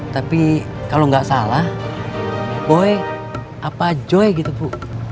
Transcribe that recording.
tapi kalau nggak salah boy apa joy gitu bu